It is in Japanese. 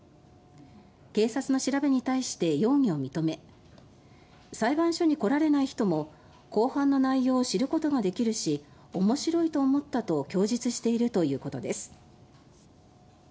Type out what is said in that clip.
警察の調べに対して容疑を認め「裁判所に来られない人も公判の内容を知ることができるし面白いと思った」と供述しているということです。